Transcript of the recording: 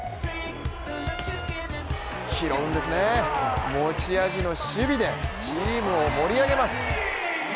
拾うんですね、持ち味の守備でチームを盛り上げます。